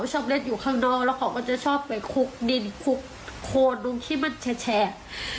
ถ้าเอากลับมาคืนเรามีรางวัล